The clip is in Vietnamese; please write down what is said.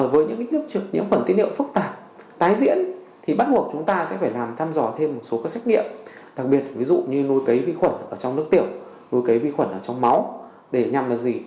với những phần tiết điệu phức tạp tái diễn thì bắt buộc chúng ta sẽ phải làm thăm dò thêm một số các xét nghiệm đặc biệt ví dụ như nuôi cấy vi khuẩn ở trong nước tiểu nuôi cấy vi khuẩn ở trong máu để nhằm là gì